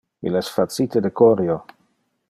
Il es facite de corio.